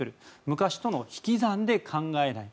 昔との引き算で考えない。